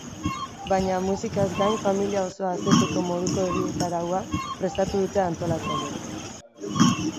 Baina, musikaz gain, familia osoa asetzeko moduko egitaraua prestatu dute antolatzaileek.